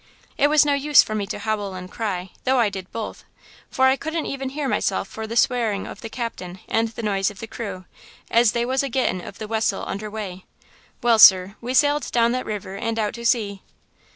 It was no use for me to howl and cry, though I did both, for I couldn't even hear myself for the swearing of the captain and the noise of the crew, as they was a gettin' of the wessel under way. Well, sir, we sailed down that river and out to sea.